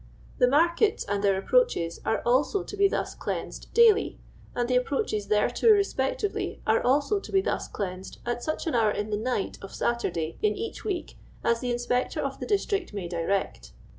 " The Markets and their approaches are also to be thus cleansed DAILY, and the approaches thereto respectively are also to be thus cleansed at such an hour in the night of Saturday in each week as the Inspector of the District may direct.